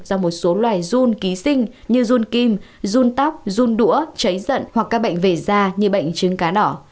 do một số loài dun ký sinh như dun kim dun tóc dun đũa cháy giận hoặc các bệnh về da như bệnh trứng cá đỏ